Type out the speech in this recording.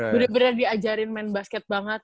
bener bener diajarin main basket banget